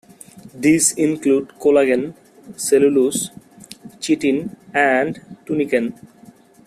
These include collagen, cellulose, chitin and tunican.